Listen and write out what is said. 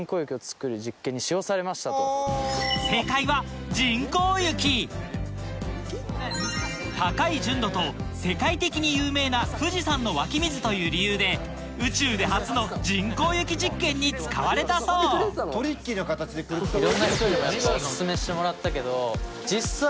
正解は高い純度と世界的に有名な富士山の湧き水という理由で宇宙で初の人工雪実験に使われたそういろんな人にお薦めしてもらったけど実際。